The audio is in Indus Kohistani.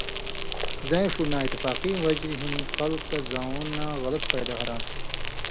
زَیں ݜُو نااتفاقی وجہۡ ہِن خلک زؤں نہ غلط فائدہ ہراں تھو۔